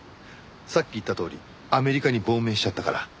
さっき言ったとおりアメリカに亡命しちゃったから。